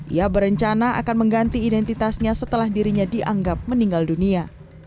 ia berencana akan mengganti identitasnya setelah dirinya dianggap meninggal dunia